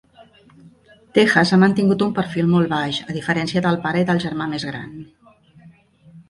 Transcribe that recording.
Tejas ha mantingut un perfil molt baix, a diferència del pare i del germà més gran.